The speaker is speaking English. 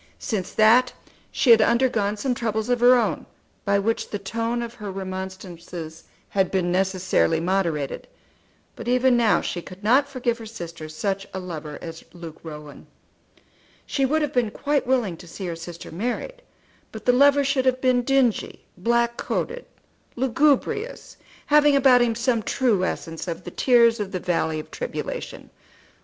Since that she had undergone some troubles of her own by which the tone of her remonstrances had been necessarily moderated; but even now she could not forgive her sister such a lover as Luke Rowan. She would have been quite willing to see her sister married, but the lover should have been dingy, black coated, lugubrious, having about him some true essence of the tears of the valley of tribulation.